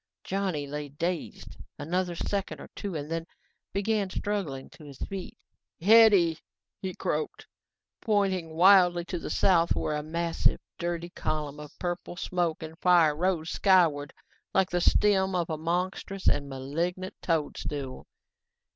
Johnny lay dazed another second or two and then began struggling to his feet. "Hetty," he croaked, pointing wildly to the south where a massive, dirty column of purple smoke and fire rose skyward like the stem of a monstrous and malignant toadstool.